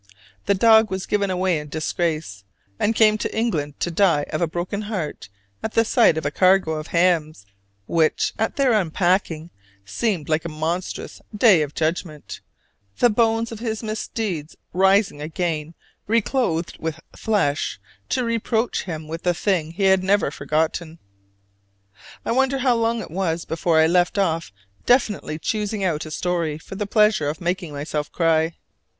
The dog was given away in disgrace, and came to England to die of a broken heart at the sight of a cargo of hams, which, at their unpacking, seemed like a monstrous day of judgment the bones of his misdeeds rising again reclothed with flesh to reproach him with the thing he had never forgotten. I wonder how long it was before I left off definitely choosing out a story for the pleasure of making myself cry!